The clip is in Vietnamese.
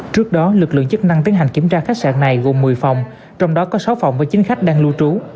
trước đó lực lượng chức năng tiến hành kiểm tra khách sạn này gồm một mươi phòng trong đó có sáu phòng và chín khách đang lưu trú